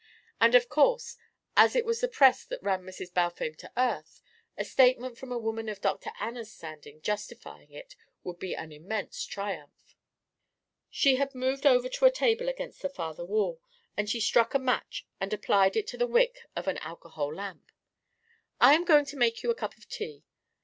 And, of course, as it was the press that ran Mrs. Balfame to earth, a statement from a woman of Dr. Anna's standing justifying it would be an immense triumph." She had moved over to a table against the farther wall, and she struck a match and applied it to the wick of an alcohol lamp. "I am going to make you a cup of tea.